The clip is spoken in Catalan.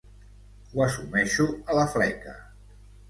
Ho assumeixo a la fleca.